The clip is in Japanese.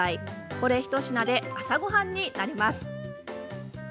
これ一品で朝ごはんになります。